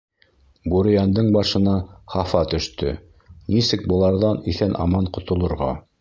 Бүрейәндең башына хафа төштө: нисек быларҙан иҫән-аман ҡотолорға?